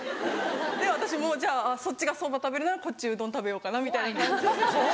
で私もじゃあそっちがそば食べるならこっちうどん食べようかなみたいな感じで。